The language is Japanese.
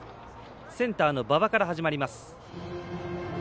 センターの馬場から始まります。